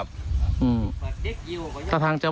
คือสิ่งแบบนี้ต้องบอกว่าเขาเอาชีวิตครอบครัวเขามาแลกเลยนะคะ